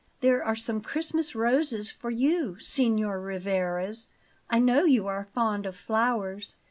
There are some Christmas roses for you, Signor Rivarez; I know you are fond of flowers."